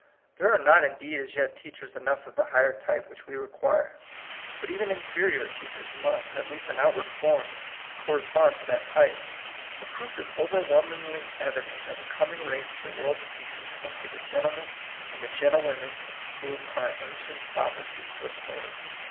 There are not indeed as yet teachers enough of the higher type which we require. But even inferior teach ers must, at least in outward form, corre spond to that type. The proof is over whelmingly evident that the coming race of the world's teachers must be the gentlemen and the gentlewomen whom our ancient prophecy foretold.